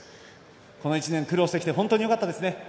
この１年苦労して本当によかったですね。